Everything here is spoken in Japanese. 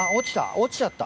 落ちちゃった？